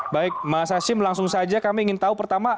baik mas hashim langsung saja kami ingin tahu pertama